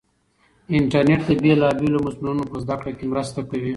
انټرنیټ د بېلابېلو مضمونو په زده کړه کې مرسته کوي.